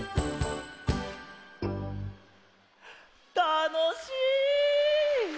たのしい！